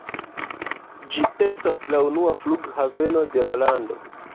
Ĝi estas la unua flughaveno de la lando.